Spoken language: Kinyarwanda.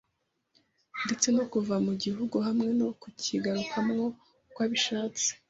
ndetse no kuva mu gihugu hamwe no kukigarukamo uko abishatse.